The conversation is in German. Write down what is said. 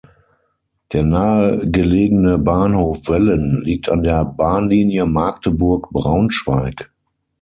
Der nahegelegene Bahnhof "Wellen" liegt an der Bahnlinie Magdeburg–Braunschweig.